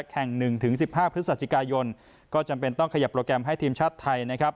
แข่ง๑๑๕พฤศจิกายนก็จำเป็นต้องขยับโปรแกรมให้ทีมชาติไทยนะครับ